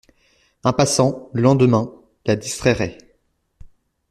Un passant, le lendemain, la distrairait.